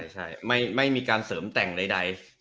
ใช่ไม่มีการเสริมแต่งใด